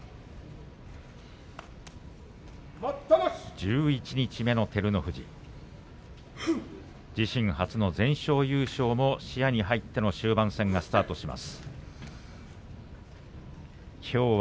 十一日目の照ノ富士自身初の全勝優勝も視野に入った終盤戦がスタートします。